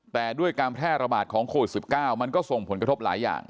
แต่ด้วยการแพร่ระบาดของโควิด๑๙มันก็ส่งผลกระทบหลายอย่าง